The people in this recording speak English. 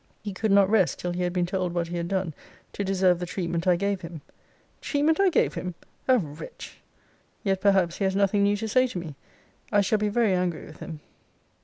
He could not rest, till he had been told what he had done to deserve the treatment I gave him. Treatment I gave him! a wretch! Yet perhaps he has nothing new to say to me. I shall be very angry with him.